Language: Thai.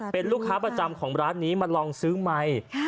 เป็นลูกค้าประจำของร้านนี้มาลองซื้อใหม่